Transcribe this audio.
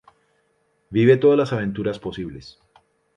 Vive todas las aventuras posibles.